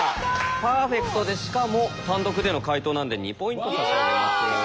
パーフェクトでしかも単独での解答なんで２ポイント差し上げます。